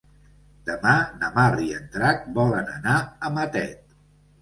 Demà na Mar i en Drac volen anar a Matet.